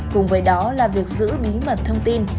cùng với đó là việc giữ bí mật thông tin